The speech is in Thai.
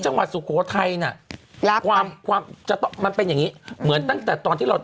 จังหวัดสุโขทัยน่ะรับมันเป็นอย่างนี้เหมือนตั้งแต่ตอนที่เรา